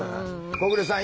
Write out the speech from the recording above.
小暮さん